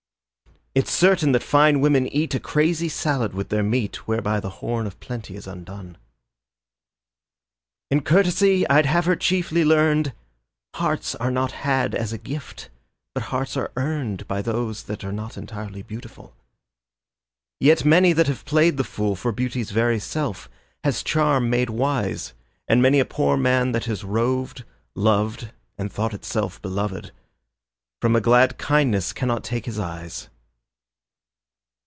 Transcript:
It's certain that fine women eat A crazy salad with their meat Whereby the Horn of Plenty is undone. In courtesy I'd have her chiefly learned; Hearts are not had as a gift but hearts are earned By those that are not entirely beautiful; Yet many, that have played the fool For beauty's very self, has charm made wise, And many a poor man that has roved, Loved and thought himself beloved, From a glad kindness cannot take his eyes.